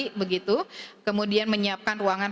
kemudian menyiapkan ruangan pemerintah dan pemerintah yang diperlukan